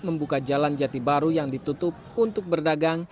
membuka jalan jati baru yang ditutup untuk berdagang